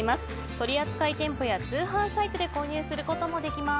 取扱店舗や通販サイトで購入することもできます。